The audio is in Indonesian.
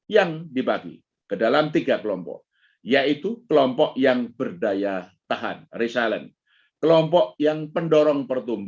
yang dibagi ke dalam tiga kelompok yaitu kelompok yang berdaya tahan resilient kelompok yang pendorong pertumbuhan